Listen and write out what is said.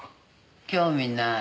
興味ない。